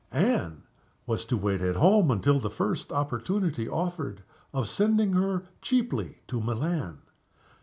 Anne was to wait at home until the first opportunity offered of sending her cheaply to Milan.